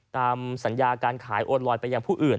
ตามสัญญาการขายโอนลอยไปยังผู้อื่น